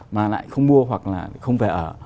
mà lại không mua hoặc là không về ở